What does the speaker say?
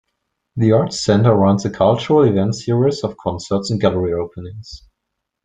The Arts Center runs a cultural events series of concerts and gallery openings.